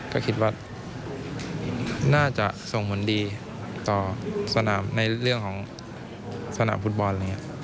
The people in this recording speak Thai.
ก็คิดว่าน่าจะส่งผลดีต่อสนามในเรื่องของสนามฟุตบอล